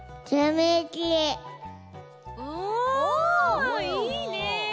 おいいね。